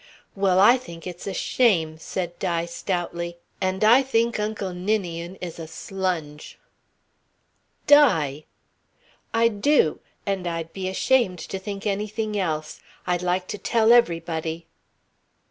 "Well, I think it's a shame," said Di stoutly. "And I think Uncle Ninian is a slunge." "Di!" "I do. And I'd be ashamed to think anything else. I'd like to tell everybody."